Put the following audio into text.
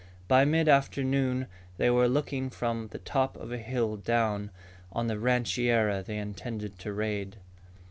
By midafternoon they were looking from the top of a hill down on the rancheria they intended to raid.